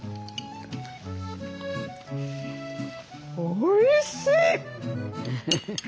おいしい！